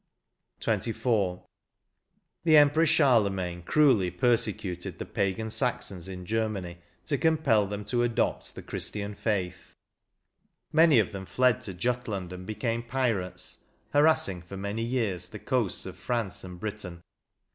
48 XXIV. The Emperor Charlemagne cruelly persecuted the pagan Saxons in Germany to compel them to adopt the Christian faith ; many of them fled to Jutland and became pirates, harassing for many years the coasts of France and Britain.